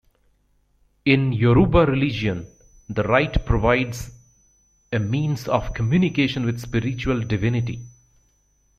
In Yoruba religion, the rite provides a means of communication with spiritual divinity.